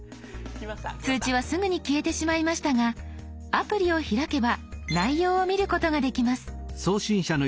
通知はすぐに消えてしまいましたがアプリを開けば内容を見ることができます。